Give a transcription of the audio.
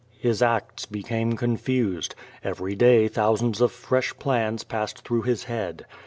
His acts became confused. Every day thousands of fresh plans passed through his head.